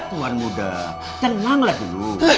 tuhan muda tenanglah dulu